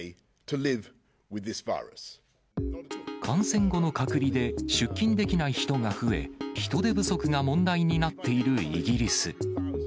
感染後の隔離で、出勤できない人が増え、人手不足が問題になっているイギリス。